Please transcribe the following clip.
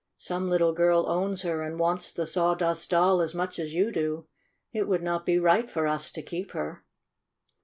Some little girl owns her, and wants the Sawdust Doll as much as you do. It would not be right for us to keep her."